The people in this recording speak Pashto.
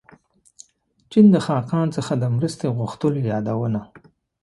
چین د خاقان څخه د مرستې غوښتلو یادونه.